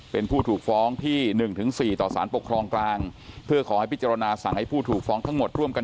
เป็นผู้ถูกฟ้องที่หนึ่งถึงสี่ต่อสารปกครองกลางเพื่อขอให้พิจารณาสั่งให้ผู้ถูกฟ้องทั้งหมดร่วมกัน